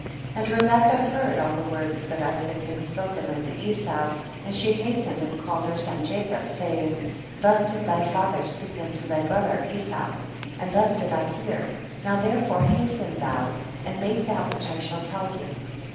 4. And Rebecca heard all the words that Isaac had spoken unto Esau, and she hastened and called her son Jacob, saying, thus did thy father speak unto thy brother Esau, and thus did I hear, now therefore hasten thou and make that which I shall tell thee.